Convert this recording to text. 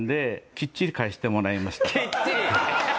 「きっちり」。